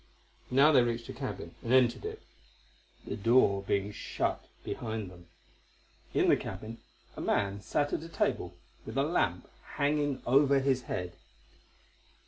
Now they reached a cabin, and entered it, the door being shut behind them. In the cabin a man sat at a table with a lamp hanging over his head.